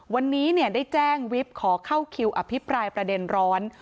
วันนี้ได้แจ้งวิบขอเข้าคิวอภิปรายประเด็นร้อน